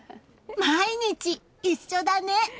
毎日一緒だね！